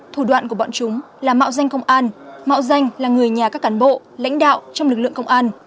thủ đoạn của bọn chúng là mạo danh công an mạo danh là người nhà các cán bộ lãnh đạo trong lực lượng công an